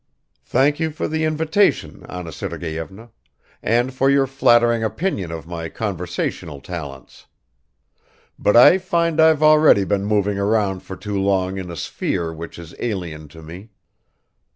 "Thank you for the invitation, Anna Sergeyevna, and for your flattering opinion of my conversational talents. But I find I've already been moving around for too long in a sphere which is alien to me.